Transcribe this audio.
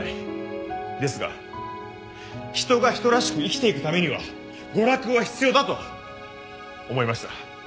ですが人が人らしく生きていくためには娯楽は必要だと思いました。